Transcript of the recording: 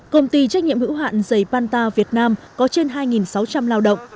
công ty trách nhiệm hữu hạn giấy panta việt nam có trên hai sáu trăm linh lao động